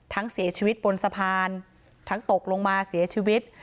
เสียชีวิตบนสะพานทั้งตกลงมาเสียชีวิต